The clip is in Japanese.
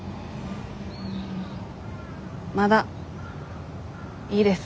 まだいいです。